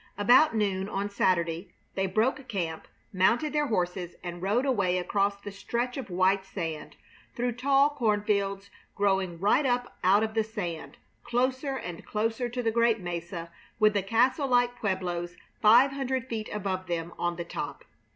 About noon on Saturday they broke camp, mounted their horses, and rode away across the stretch of white sand, through tall cornfields growing right up out of the sand, closer and closer to the great mesa with the castle like pueblos five hundred feet above them on the top.